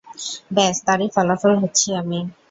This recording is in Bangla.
ব্যাস, তারই ফলাফল হচ্ছি আমি।